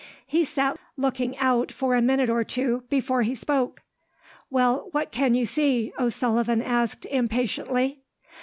He sat looking out, for a minute or two, before he spoke. "Well, what can you see?" O'Sullivan asked, impatiently.